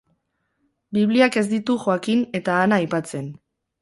Bibliak ez ditu Joakim eta Ana aipatzen.